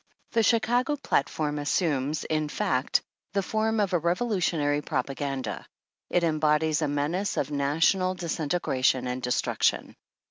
The Chicago Platform assumes, in fact, the form of a revolutionary propaganda. It em bodies a menace of national disintegration and destruction.